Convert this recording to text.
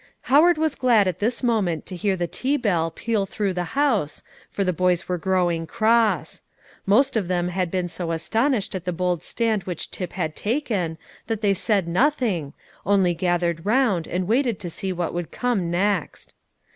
Howard was glad at this moment to hear the tea bell peal through the house, for the boys were growing cross. Most of them had been so astonished at the bold stand which Tip had taken, that they said nothing, only gathered round, and waited to see what would come next.